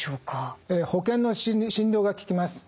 保険の診療がききます。